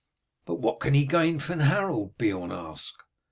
"But what can he gain from Harold?" Beorn asked.